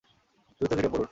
দ্রুত কেটে পড়ুন!